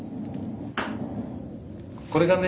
これがね